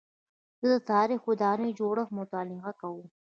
زه د تاریخي ودانیو جوړښت مطالعه کوم.